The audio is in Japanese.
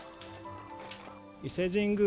伊勢神宮